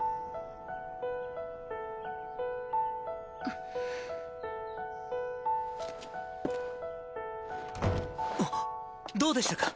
・ガチャあっどうでしたか？